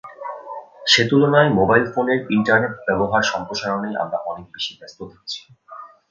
সে তুলনায় মোবাইল ফোনের ইন্টারনেট ব্যবহার সম্প্রসারণেই আমরা অনেক বেশি ব্যস্ত থেকেছি।